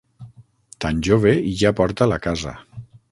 Tan jove i ja porta la casa.